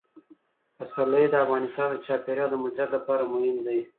پسرلی د افغانستان د چاپیریال د مدیریت لپاره مهم دي.